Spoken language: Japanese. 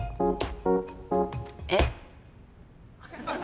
えっ？